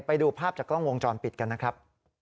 ไปดูภาพจากกล้องวงจรปิดกันนะครับ